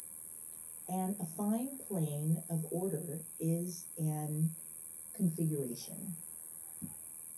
An affine plane of order is an configuration.